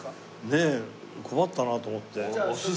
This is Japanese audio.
ねえ困ったなと思って。